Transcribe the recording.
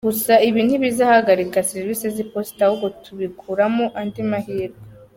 Gusa ibi ntibizahagarika Serivisi z’Iposita ahubwo tubikuramo andi mahirwe.